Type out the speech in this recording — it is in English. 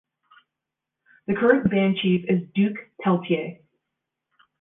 The current band chief is Duke Peltier.